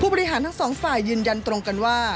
บริหารทั้งสองฝ่ายยืนยันตรงกันว่า